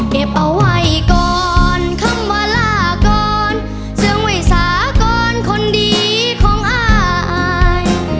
เก็บเอาไว้ก่อนคำว่าลาก่อนเสื่องไว้สากรคนดีของอาย